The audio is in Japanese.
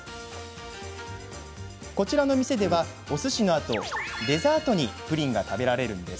こちらの店では、おすしのあとデザートにプリンが食べられるんです。